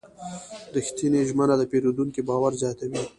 رښتینې ژمنه د پیرودونکي باور زیاتوي.